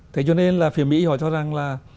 thế cho nên phía mỹ họ cho rằng